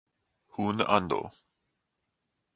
Jun Ando